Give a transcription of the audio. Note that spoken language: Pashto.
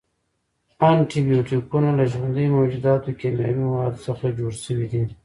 انټي بیوټیکونه له ژوندیو موجوداتو، کیمیاوي موادو څخه جوړ شوي دي.